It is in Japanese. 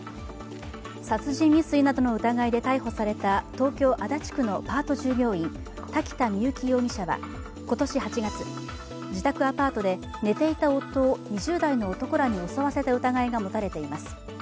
殺人未遂などの疑いで逮捕された東京・足立区のパート従業員・瀧田深雪容疑者は今年８月、自宅アパートで寝ていた夫を２０代の男らに襲わせた疑いが持たれています。